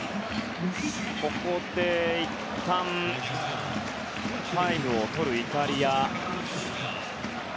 ここでいったんタイムをとるイタリア。